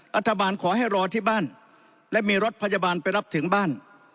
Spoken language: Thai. ขอให้รอที่บ้านและมีรถพยาบาลไปรับถึงบ้าน